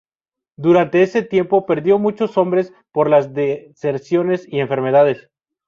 Durante ese tiempo perdió muchos hombres por las deserciones y enfermedades.